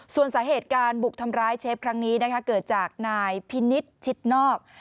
ส่วนสาเหตุการบุกทำร้ายเชฟครั้งนี้นะคะเกิดจากนายพินิษฐ์ชิดนอก